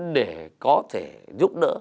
để có thể giúp đỡ